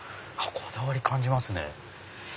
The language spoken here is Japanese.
こだわり感じますね。